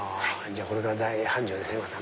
これから大繁盛ですねまた。